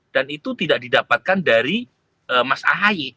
dan itu tidak didapatkan dari mas ahy